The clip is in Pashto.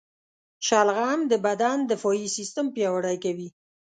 شلغم د بدن دفاعي سیستم پیاوړی کوي.